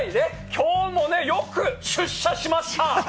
今日もよく出社しました！